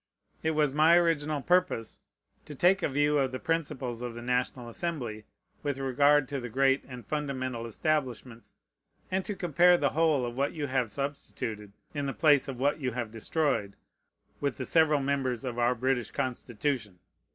It was my original purpose to take a view of the principles of the National Assembly with regard to the great and fundamental establishments, and to compare the whole of what you have substituted in the place of what you have destroyed with the several members of our British Constitution.